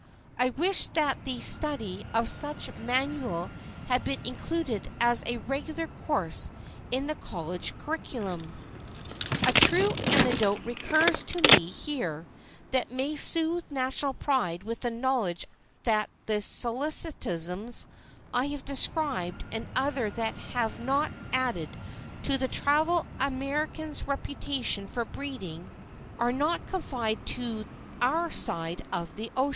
I wished that the study of such a manual had been included as a regular course in the college curriculum. A true anecdote recurs to me here that may soothe national pride with the knowledge that the solecisms I have described and others that have not added to the traveled American's reputation for breeding, are not confined to our side of the ocean.